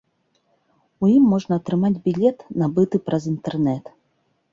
У ім можна атрымаць білет, набыты праз інтэрнэт.